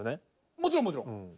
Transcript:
もちろんもちろん。